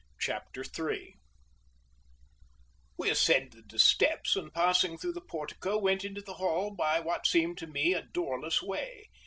Chapter 3 We ascended the steps, and passing through the portico went into the hall by what seemed to me a doorless way.